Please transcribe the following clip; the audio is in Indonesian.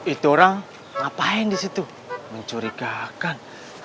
itu orang ngapain di situ mencurigakan